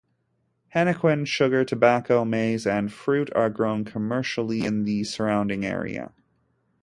Henequen, sugar, tobacco, maize, and fruit are grown commercially in the surrounding area.